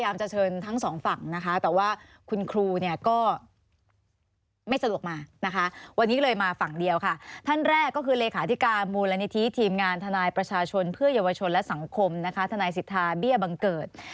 ไม่สะดวกมาวันนี้เลยมาฝั่งเดียวค่ะท่านแรกคือเลยค่าทิการมูลนิธีทีมงานทนายประชาชนเพื่อเยาวชนและสังคมทนายสิทธาบี้ยะบังเกิด